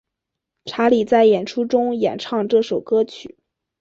查理在演出中演唱这首歌曲。